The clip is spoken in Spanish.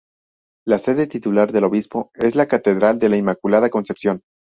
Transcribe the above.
La sede titular del obispo es la Catedral de la Inmaculada Concepción.